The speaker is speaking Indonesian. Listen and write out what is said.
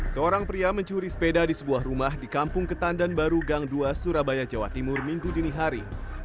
seorang pria mencuri sepeda di sebuah rumah di kampung ketandan baru gang dua surabaya jawa timur minggu dini hari